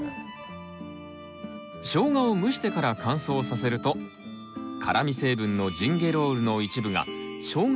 ショウガを蒸してから乾燥させると辛み成分のジンゲロールの一部がショウガ